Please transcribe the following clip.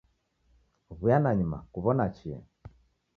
W'uya nanyuma kuw'ona chia.